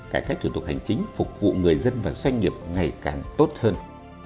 cải cách thủ tục hành chính phục vụ người dân và doanh nghiệp ngày càng tốt hơn